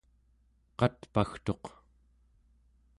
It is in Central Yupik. qatpagtuq